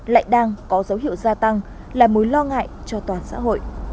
lại đang có dấu hiệu gia tăng là mối lo ngại cho toàn xã hội